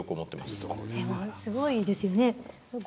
すごいですよね。